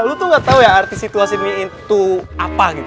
lu tuh gatau ya arti situasi ini itu apa gitu